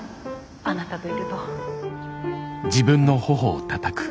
あなたといると。